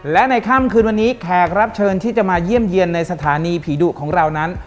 และในค่ำคืนวันนี้แขกรับเชิญที่จะมาเยี่ยมเยี่ยมในสถานีผีดุของเรานั้น